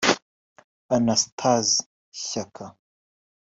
Anastase Shyaka